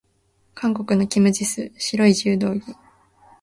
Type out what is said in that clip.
韓国のキム・ジス、白い柔道着。